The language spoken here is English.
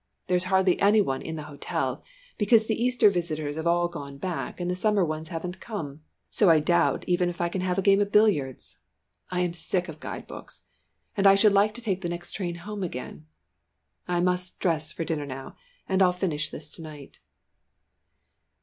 There is hardly any one in the hotel, because the Easter visitors have all gone back and the summer ones haven't come, so I doubt even if I can have a game of billiards. I am sick of guide books, and I should like to take the next train home again. I must dress for dinner now, and I'll finish this to night."